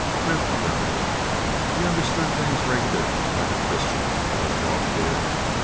Crib growled. He understood things regular like a Christian, that old dog did.